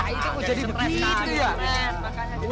itu pun jadi stres pak